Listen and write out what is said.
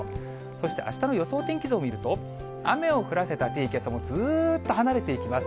そしてあしたの予想天気図を見ると、雨を降らせた低気圧は、もうずっと離れていきます。